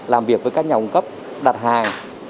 làm việc với các nhà ông cấp đặt hàng